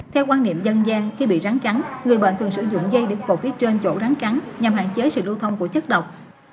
theo quan niệm dân gian khi bị rắn cắn người bạn thường sử dụng dây để phục phía trên chỗ rắn cắn nhằm hạn chế sự lưu thông của chất độc